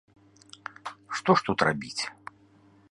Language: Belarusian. Што ж тут рабіць?